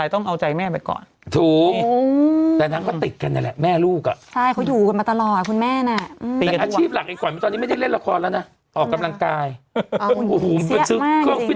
ตอนนี้แม่ซอฟท์แล้วแม่ไม่ตามแล้ว